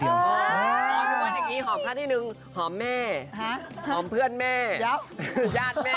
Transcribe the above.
อ๋อคือว่าอย่างงี้หอมท่าที่นึงหอมแม่หอมเพื่อนแม่ยาดแม่